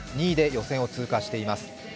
２位で予選を通過しています。